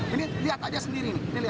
ini lihat aja sendiri